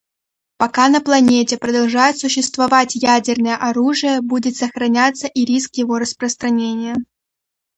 Пока на планете продолжает существовать ядерное оружие, будет сохраняться и риск его распространения.